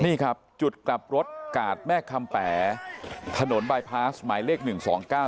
นี่ครับจุดกลับรถกาดแม่คำแป๋ถนนบายพาสหมายเลขหนึ่งสองเก้า